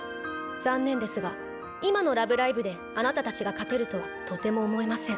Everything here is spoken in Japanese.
残念ですが今の「ラブライブ！」であなたたちが勝てるとはとても思えません。